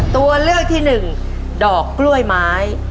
ตัวเลือกที่๑ดอกกล้วยไม้